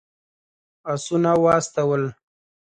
آسونه واستول.